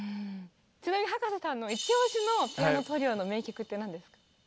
ちなみに葉加瀬さんのイチ推しのピアノトリオの名曲って何ですか？